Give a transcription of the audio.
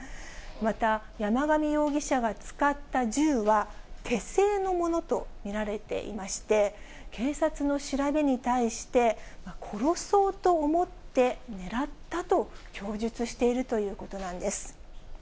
また、山上容疑者が使った銃は手製のものと見られていまして、警察の調べに対して、殺そうと思って狙ったと供述しているということなんです。